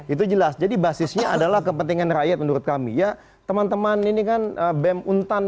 itu jelas jadi basisnya adalah kepentingan rakyat menurut kami ya teman teman ini kan bem untan